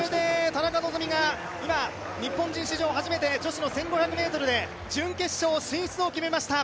田中希実が日本史上初、女子の１５００ｍで準決勝進出を決めました。